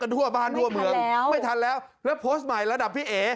ทำไงไม่ทันแล้วแล้วโพสต์ใหม่ระดับพี่เอ๋